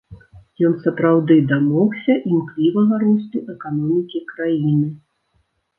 Ён сапраўды дамогся імклівага росту эканомікі краіны.